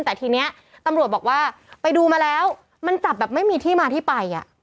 แต่ทีนี้ตำรวจบอกว่าไปดูมาแล้วมันจับแบบไม่มีที่มาที่ไป